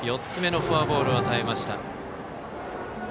４つ目のフォアボールを与えました。